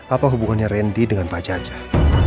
apa hubungannya randy dengan pak jajah